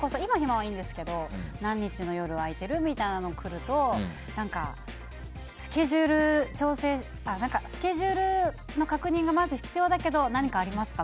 ならいいですけど何日の夜、空いてる？とかだとスケジュールの確認がまず必要だけど何かありますか？